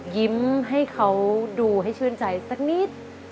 ยิ้มให้เขาดูให้ชื่นใจสักนิด